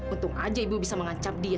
untung aja ibu bisa mengancam dia